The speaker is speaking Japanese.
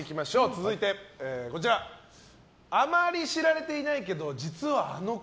続いてあまり知られていないけど実はアノ声